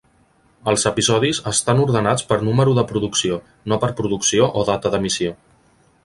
Els episodis estan ordenats per número de producció, no per producció o data d'emissió.